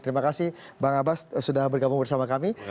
terima kasih bang abbas sudah bergabung bersama kami